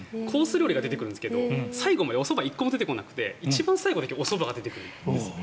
料理が出てくるんですが最後までおそばが１個も出てこなくて一番最後だけおそばが出てくるんですね。